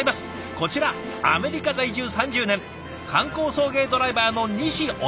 こちらアメリカ在住３０年観光送迎ドライバーの西修美さん。